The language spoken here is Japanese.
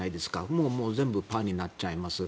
もう全部パーになっちゃいます。